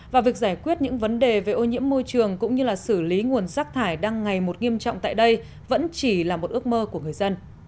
và việc giải quyết những vấn đề về ô nhiễm môi trường cũng như là xử lý nguồn rác thải đang ngày một nghiêm trọng tại đây vẫn chỉ là một ước mơ của người dân